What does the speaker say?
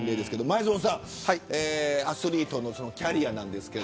前園さん、アスリートのキャリアなんですが。